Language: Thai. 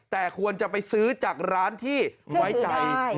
แต่ควรจะไปซื้อจากร้านที่ไว้ใจ